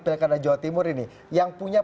pilih kandang jawa timur ini yang punya